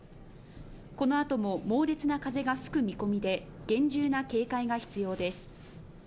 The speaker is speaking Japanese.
このあとも猛烈な風が吹く見込みで、厳重な警戒が必要です。